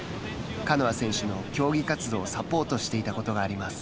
カノア選手の競技活動をサポートしていたことがあります。